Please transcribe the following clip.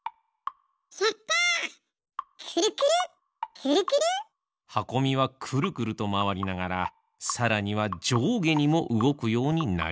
くるくる！はこみはくるくるとまわりながらさらにはじょうげにもうごくようになりました。